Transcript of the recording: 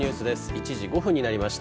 １時５分になりました。